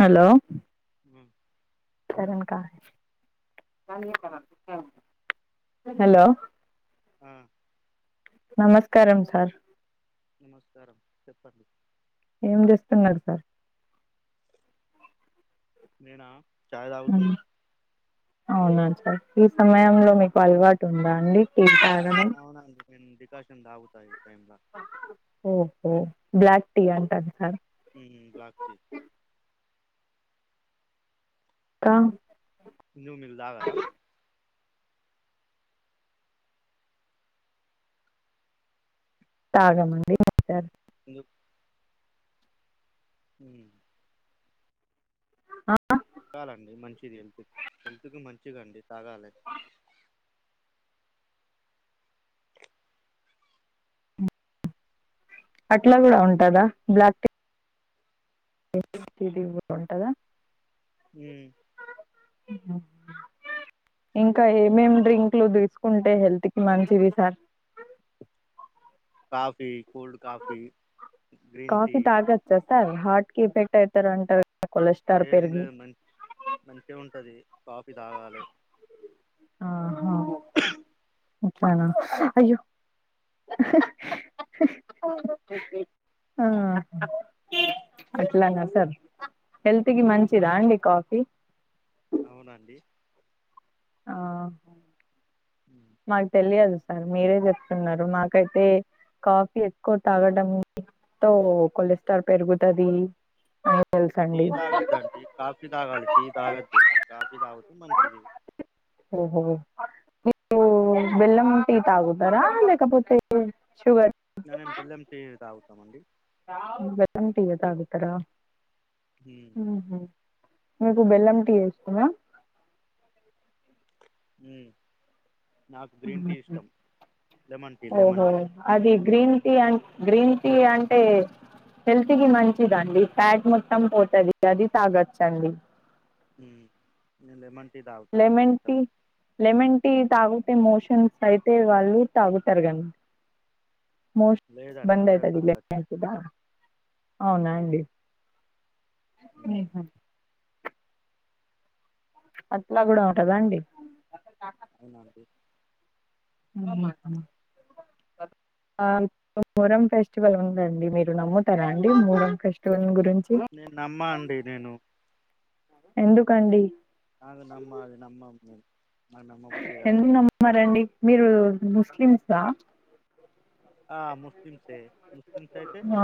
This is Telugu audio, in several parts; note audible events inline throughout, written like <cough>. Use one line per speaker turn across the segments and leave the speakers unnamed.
హలో
ఊ
హలో
ఆ
నమస్కారం సార్
నమస్కారం చెప్పండి
ఏం చేస్తున్నారు సార్
నేనా చాయ్ తాగుతున్నా
సర్ ఈ సమయంలో మీకు అలవాటు ఉందా అండి టీ తా
అవునండి నేను డికాషన్ దాగుతా ఎ
ఓహో బ్లాక్ టీ అంటారు సార్
ఉ లాక్తి
కా
నువ్ మిల్ తాగారా
తాగమండి
ఉ
ఆ
తగాలండి మంచిది హెల్త్ హెల్త్ కి మంచిది అండి తాగాలి
అట్లా కూడా ఉంటదా బ్లాక్ టీ <inaudible> టీడి ఉంటందా
ఉ
<inaudible> ఇంకా ఏమేమీ డ్రింక్లు తీసుకుంటే హెల్త్ కి మంచిది sir
coffee, cold coffee green tea
coffee తాగచ్చా సార్ హార్ట్ కి ఎఫెక్ట్ అయితారు అంటారు కొలెస్ట్రాల్
ఏం
పెరిగి
లేదు మ మంచిగా ఉంటది కాఫీ తాగాలే
ఆహా ఇంకానా
హ్మ్.
అయ్యో <inaudible> ఆ అట్లానా సార్ హెల్త్ కి మంచిదా అండి కాఫీ
అవును అండి
ఆ
హ్మ్.
నాకు తెలియదు ఆ మీరే చెప్తున్నారు మాకైతే కాఫీ ఎక్కువ తాగడంతో కొలెస్ట్రాల్ పెరుగుతది
టీ
తెలుసండి
తాగద్దు అండి కాఫీ తాగాలి టీ తాగద్దు కాఫీ తాగితే మంచిది
ఓహో మీరు ఓ బెల్లం టీ తాగుతారా లేకపోతే షూగర్
నేనేం బేళ్ళెం తాగుతాము అండి
బెల్లం టీ ఏ తాగుతారా
హ్మ్.
ఉహు మీకు బెల్లం టీ ఏ ఇష్టమా
ఉ నాకు గ్రీన్ టీ ఇష్టం లెమన్ టీ లెమన్
ఓహో
టీ
అది గ్రీన్ టీ అం గ్రీన్ టీ అంటే హెల్త్ కి మంచిదండి ఫ్యాట్ మొత్తం పోతది అది తాగచ్చు అండి
ఉ నేను లెమన్ టీ తాగుతా అండి
లెమన్
ఇష్టం
టీ లెమన్ టి తాగుతే మోషన్స్ అయితే వాళ్ళు తాగుతారు గం మోషన్స్
లేదండి అందరు తాగచ్చు
<inaudible> అవునా అండి
ఉమ్,
ఊహ అట్లా కూడా ఉంటద అండి
వునా అండి
<unintelligible> ఆ మూరం ఫెస్టివల్ ఉందండి మీరు నమ్ముతారా అండి మూరం ఫెస్టివల్ గురి
నేను నమ్మా అండి నేను
ఎందుకు అండి
నాది నమ్మ అది నమ్మకు
ఎందుకు నమ్మన్నారండి మీరు ముస్లిమ్సా
ఆ ముస్లింసే ముస్లిమ్స్ అయితే
ఆ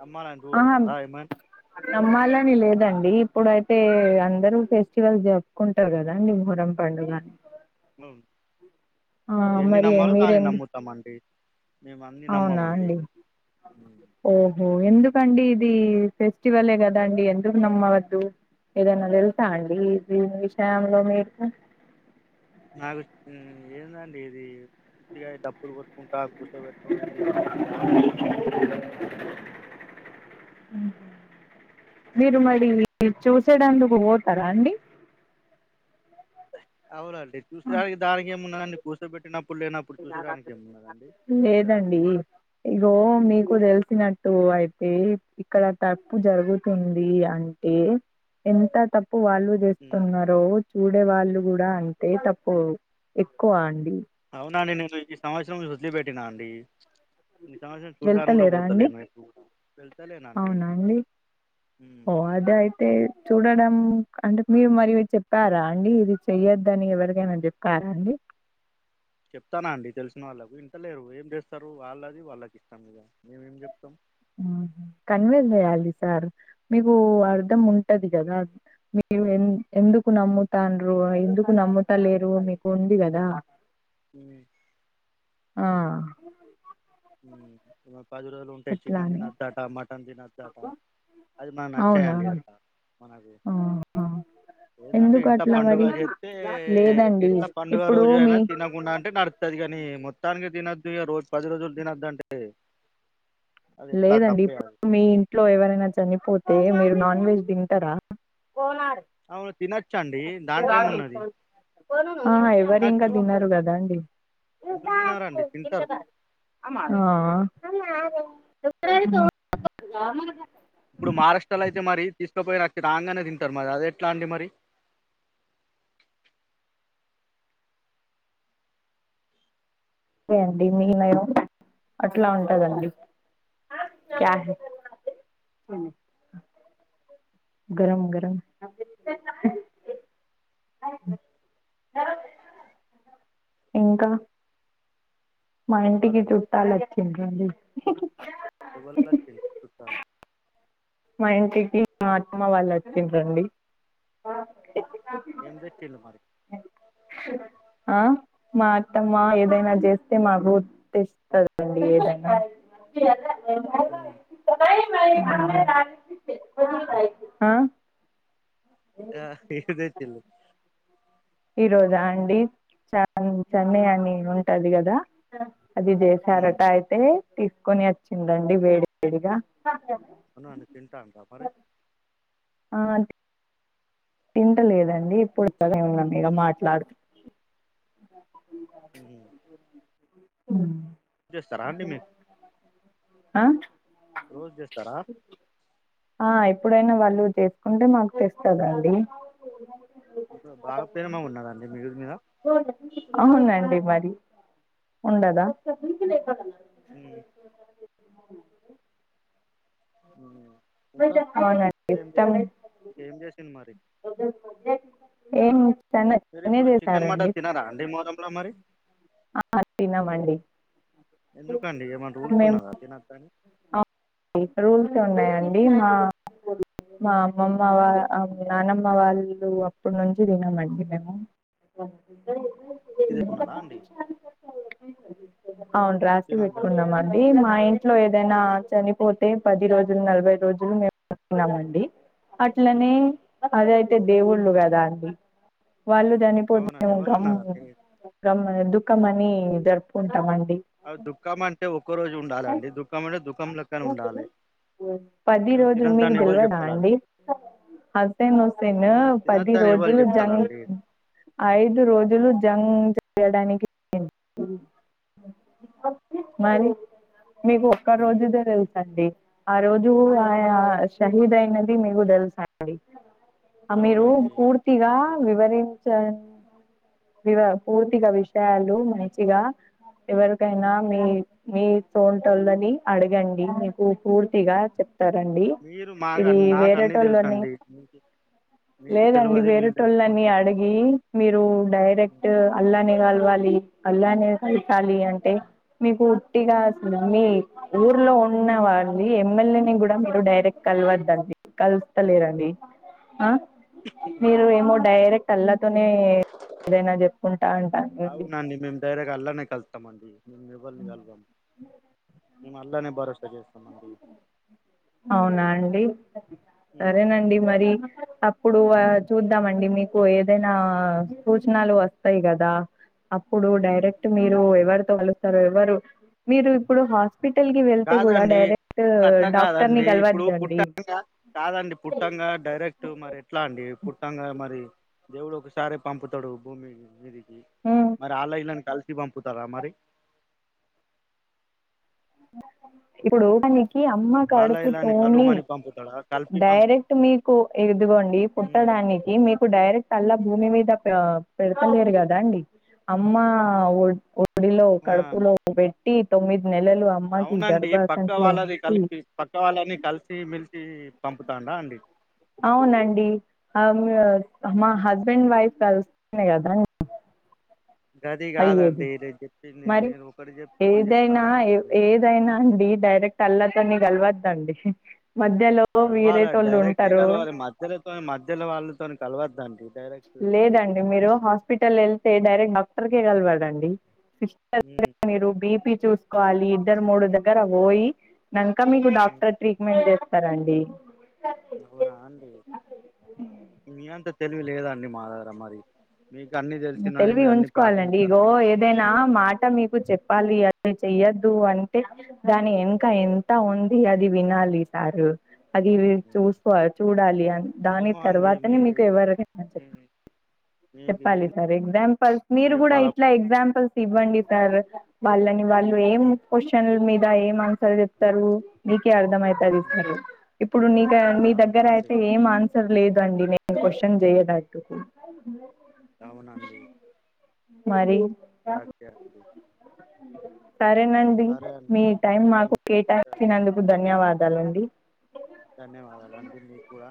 నమ్మాలని రూల్
ఆహా
ఉన్నదా ఏమన్
నమ్మాలని లేదండి ఇప్పుడైతే అందరు ఫెస్టివల్ జరుపుకుంటారు కదాండి మొరం
ఉ అవును
ఆ
దేన్ని
మరి
నమ్మాలో దాన్ని
మీరెందుకు
నమ్ముతామండి మేము అన్ని నమ్మమండి ఉమ్.
ఓ ఓ ఎందుకండి ఇది ఫెస్టివలే కదా అండి ఎందుకు నమ్మవద్దు ఏదైనా తెలుసా అండి దీని విషయంలో మీకు
నాకు ఏందండి ఇది ఉత్తిగా డబ్బులు కొట్టుకుంటా కుర్ పెట్టుకు ఇది మంచిది రాదండి ఇది ఇది
నిరుమడివి చూసేటందుకు పోతారా అండి
అవునండి
ఆ!
చూసేదానికి దానికి ఏమున్నాదండి కూర్చోబెట్టిన
లేదండి
చూసేడానికి.
ఇగో మీకు తెలిసినట్టు తో అయితే ఇక్కడ తప్పు జరుగుతుంది అంటే ఎంత తప్ తప్పు వాళ్ళు
హ్మ్.
చేస్తున్నారో చూడే వాళ్ళు కూడా అంటే తప్పు ఎక్కువ అన్
అవునండి నేను ఈ సంవత్సరం ను వద్దిలిపట్టినా అండి ఈ సమత్సరం చూడ్డానికి కూడా
వెళ్తలేరా అండి
పోతలేను నైట్పూట వెళ్తాలేనండి
అవునా అండి ఓ అద అయితే చూడడం అంటే మీరు మరి చెప్పారా అండి ఇది చెయ్యొద్దని ఎవరికైనా చెప్పారా అండి <unintelligible>
చెప్తానా అండి తెలిసిన వాళ్ళకు వింటలేరు ఏం చేస్తారు వాళ్ళది వాళ్ళకి ఇస్తాం ఇగ మేమేం చెప్తాం.
కన్విన్స్ చేయాలి సార్ మీకు అర్ధం ఉంటది కదా మీరు ఎ ఎందుకు నమ్ముతాండ్రో ఎందుకు నమ్ముత లేరు మీకు ఉంది గదా
అ
ఆ
పది రోజులు ఉంటాయి
అట్లా
చికెన్
అని
తినొద్దట మటన్ తినొద్దాట అది మనక్
అవునా
నచ్చాయండి అట్లా మనది
ఆ ఆ
ఏందంటే
ఎందుకు
ఇంట్ల
అట్లా
పండుగ
మరి
చెప్తే
లేదండి
ఇంట్ల పండుగ
ఇప్పుడు
రోజు
మీ
అయినా తినకుండా అంటే నడు తదిగని మొత్తానికి దినద్దు ఇగ రోజ పది రోజులు తినొద్దు అంటే అది ఎట్లా
లేదండి
తప్పే
ఇప్పుడు
అది
మీ ఇంట్లో ఎవరైనా చనిపోతే మీరు నాన్ వెజ్ తింటరా పోనాడు
అవును తినొచ్చండి దాంట్లో ఏమున్నది
ఆ ఎవ్వరు ఇంకా
తినొచ్చు
తినరు కదండి
ఎందుకు
అవ్వ
తినరండి తింటరు
<inaudible>
ఇప్పుడు మహారాష్ట్రలో అయితే మరి తీస్ పోయే అచ్చి రాంగానే తింటరు మరి అది ఎట్లా అండి మరి
దే అండి మీలయం అట్లా ఉంటందండి క్యా
మ్
హె ఉ గరం గరం ఇంకా మా ఇంటికి
చెప్పాలండి
చుట్టాలు వచ్చిండ్రండి
ఎవల్లు వచ్చిండ్రు చుట్టాలు
మా ఇంటికి మా అత్తమ్మ వాళ్ళు వచ్చింరండీ
ఏం తెచ్చిండ్రు మరి
ఆ మా అత్తమ్మ ఏదైనా చేస్తే మాకు తెస్తాదండి ఏదైనా
మ్ ఏం
ఉమ్మ్
తెచ్చిళ్ళు
ఆ
ఆ ఏం తెచ్చిళ్లు
ఈరోజా అండి చ చెన్నై అని ఉంటది కదా అది
మ్
చేశారటా అయితే తీసుకొని వచ్చిందండి వేడి వేడిగా
అవునాండి తింటాండ్రా మరి
ఆ తింటలేదండి ఇప్పుడు <unintelligible> మిద మాట్లాడుతు
మ్మ్ఉహ్మ్
ఉమ్మ్
చేస్తారాండి మీ
ఆ
రోజు చేస్తారా
ఆ ఎప్పుడైనా వాళ్ళు చేసుకుంటే మాకు తెస్తాదండి
అబ్బో బాగా ప్రేమగ ఉన్నారండి మీరు
అవునండి మరి ఉండదా
ఉమ్మ్
అ
ఉమ్మ్ ఇంకా
అవునండి
ఏం చేసింది ఇంక ఎం చేసింది మరి
ఎం చానా
మీరు
ఎక్కువనే
ఇప్పుడు చికెన్
చేసారంండి
మటన్ తినరా అండి మొహరంలో మరి
ఆ తినమండి
ఎందుకండి ఏమన్నా రూల్స్
మేము
ఉన్నాదా తినకని
రూల్స్ ఉన్నాయంండి మా మా అమ్మమ్మ వా నాన్నమ్మ వాళ్ళు అప్పడునుంచి తినమండి మేము ఉమ్మ్
ఇదికున్నారా అండి
అవును రాసి
తినొద్దని
పెట్టుకున్నామండి మా ఇంట్లో ఏదైనా చని పోతే పది రోజులు నలభై రోజులు మేము తినమండి అట్లనే అద యితే దేవుళ్ళు కదండి వాళ్ళు చనిపోతే
అవునా
మేము గమ్
ఎవరన్నారండి
గమ్ దుఃఖం అని జరుపుకుంటామం
అ దుఃఖం అంటే ఒక్కరోజు ఉండాలండి దుఃఖం అంటే దుఖం ల
పది రోజులు మీకు
తినొద్దని ఎవలు
తెలువదా అండి
చెప్తాలండి
హసేన్ హుస్సేన్
తిన
పది
తినొద్దని ఎవలు
రోజులు జంగ్
చెప్తాలండి
ఐదు రోజులు జంగ్ చేయడానికి మరి మీకు ఒక్క రోజుదే సండి ఆరోజు ఆ షహీద్ అయినది మీకు తెలుసాండి ఆమీరు
అవునండి
పూర్తిగా వివరించ వివ పూర్తిగా విషయాలు మంచిగా
ఉమ్.
ఎవరికైనా మీ మీ సోంటోళని అడిగం మీకు పూర్తిగా చెప్
మీరు మాకు నాకు అన్నీ తెలుసు
వేరేటోళ్ళని
అండి
లేదండి వేరేటోళ్ళని అడిగి మీరు
ఉమ్.
డైరెక్ట్ అల్లాని వాళ్ళు వాళ్ళ లి అల్లానే కలసాలి అంటే మీకు ఉట్టిగా మీ ఊర్లో ఉ ఉన్న వాళ్ళి ఎమ్మెల్యేని కూడా మీరు డైరెక్ట్ కలవద్దండి కలుస్తలేరని ఆ
ఉమ్.
మీరు ఏమో డైరెక్ట్ అల్లాతోనే ఏదైనా చెప్పుకుంటా అంటారండి
అవునాండి మేము డైరక్ అల్లానే కలుస్తాం ల్ మేము అల్లానే భరోసా చేస్తామ అండి
అవునా అండి
ఉమ్,
సరేనండి మరి ఆ ఇప్పుడు చూద్దామండి మీకు ఏదైనా సూచనాలు వస్తాయి కదా అప్పుడు
ఉమ్.
డైరెక్ట్ మీరు ఎవరితో కలుస్తారు ఎవరు మీరు ఇప్పుడు హస్ హాస్పిటల్ కి వెళ్తే కూడా డైరెక్ట్ డాక్
అండి ఇప్పుడు పుట్టంగా కాదండి పుట్టంగా డైరెక్ట్ మరి ఎట్లా అండి పుట్టంగా మరి దేవుడు ఒకసారే పంపుతాడు భూమి మీదికి
ఉమ్,
మరి ఆళ్ల ఇళ్ల కలిసి సి పంపుతార మరి
ఇప్పుడు దానికి అమ్మ
వాళ్ళ ఇళ్ళని
కడుపుతోని
కలువమని పంపుతాడా కలిపి పంపు
డైరెక్ట్ మీకు ఎదుగోండి
ఉమ్.
పుట్టడానికి మీకు డైరెక్ట్ అల్లా భూమి మీద పెడతలేరు కదా అండి అమ్మ ఓ ఓడిలో
ఆ,
కడుపులో పెట్టి తొమ్మిది నెలలు అమ్మకి
అవునండి
గర్భ
పక్క
సంచిలో
వాళ్ళది
ఉంచి
కలిపి పక్క వాళ్ళని కలిసి మెలిసి పంపుతాండా అండి
అవునండి మా హస్బెండ్ వైఫ్ కలుస్తేనే కదా ఒ
గది
అయ్యేది
కాదండి నేను చెప్పింది
మరి
మీరు ఒకటి చెప్తే ఒకటి
ఏదైనా
చెప్తానండి మీరు
ఏదైనా అండి మీరు డైరెక్ట్ అల్లతోనే కలవద్దండి మధ్యలో
కలవాలండి
వేరేటోళ్ళు
డైరెక్ట్
ఉంటారు
కలవాలి మధ్యలోతో మధ్యలో వాళ్ళతో కలవద్దండి డైరెక్ట్
లేదండి మీరు హాస్పిటల్ వెళ్తే డైరెక్ట్ డాక్టర్ కే కలవాడండి సిస్టర్
మ్మ్
దగ్గర మీరు బీపి చూసుకోవాలి ఇద్దరు మూడు దగ్గర పోయి కనుక మీకు
మ్మ్
డాక్టర్ ట్రీట్మెంట్ చేస్తారండి
అవునా అండి మీ అంత తెలివి లేదా అండి మా దగ్గర మరి మీకు అన్నీ తెలిసినవి
తెలివి
మీరు అన్నీ
ఉంచుకోవాలండి
పాటిస్తారా
ఇగో
మరి
ఏదైనా మాట మీకు చెప్పాలి ని చెయ్యద్దు అంటే దాని ఎంక ఎంత ఉంది అది వినాలి సారు అది
ఉమ్,
చూసుకో చూడాలి అని దాని
ఏమో అండి మీ
తర్వాతనే మీకు ఎవరిని చెప్ప
మీ- మీకు
చెప్పాలి
ఏం
సార్ ఎగ్జాంపుల్స్ మీరు కూడా
చెప్పాలా
ఇట్లా ఎగ్జాంపుల్స్ ఇవ్వండితారు వాళ్ళని వాళ్ళు ఏం క్వశ్చన్ మీద ఏం ఆన్సర్ చెప్తారు మీ మీకే అర్ధం అయితది
మ్మ్
తారు ఇప్పుడు నీకే నీ
అవునా
దగ్గర
అండి
అయితే ఏ లేదుండి నేను క్వశ్చన్ చెయటట్టుకు
అవునండి
మరి
కరెక్ట్ ఎ అండి
సరేనండి
సరే అండి
మీ టైం మాకు
మ్మ్ సరే
కేటాయించినందుకు ధన్యవాద దా లండి
ధన్యవాదాలు అండి మీకు కూడా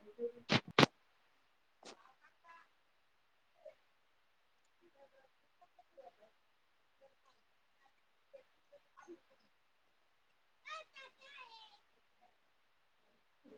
అ
వో <inaudible>
అంది